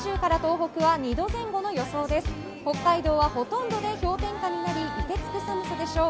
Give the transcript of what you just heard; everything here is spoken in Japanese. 北海道はほとんどで氷点下になり凍てつく寒さでしょう。